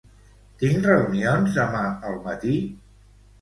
Tinc reunions demà al matí?